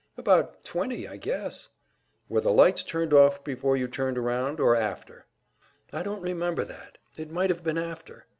"About twenty, I guess." "Were the lights turned off before you turned around, or after?" "I don't remember that; it might have been after."